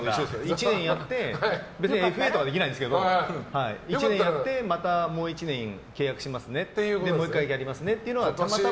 １年やって別にＦＡとかできないんですけど１年やってまたもう１年契約しますねってもう１回やりますねっていうのが。